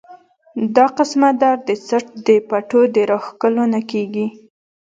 دا قسمه درد د څټ د پټو د راښکلو نه کيږي